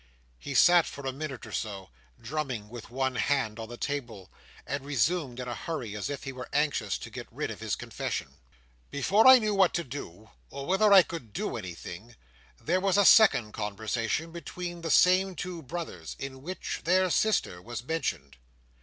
He sat for a minute or so, drumming with one hand on the table; and resumed in a hurry, as if he were anxious to get rid of his confession. "Before I knew what to do, or whether I could do anything, there was a second conversation between the same two brothers, in which their sister was mentioned.